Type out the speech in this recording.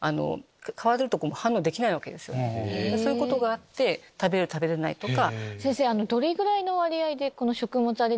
そういうことがあって食べれる食べれないとか。